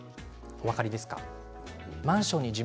お分かりですか？